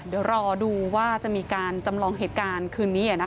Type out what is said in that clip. เดี๋ยวรอดูว่าจะมีการจำลองเหตุการณ์คืนนี้